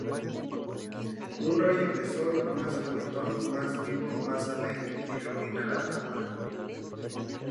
un rayo de sol más juguetón, más vivo, más alegre, ilumina la cámara